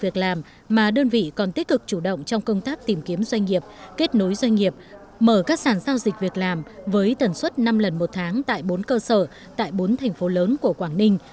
các sản giao dịch việc làm với tần suất năm lần một tháng tại bốn cơ sở tại bốn thành phố lớn của quảng ninh